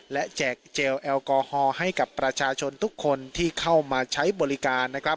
และแจกเจลแอลกอฮอล์ให้กับประชาชนทุกคนที่เข้ามาใช้บริการนะครับ